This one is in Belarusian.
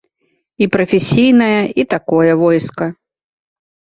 І прафесійнае, і такое войска.